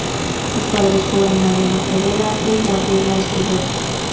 Sus padres fueron Mariano Pereda y Gabriela Escudero.